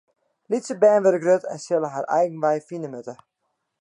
Lytse bern wurde grut en sille har eigen wei fine moatte.